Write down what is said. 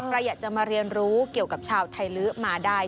ใครอยากจะมาเรียนรู้เกี่ยวกับชาวไทยลื้อมาได้